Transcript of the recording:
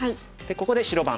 ここで白番。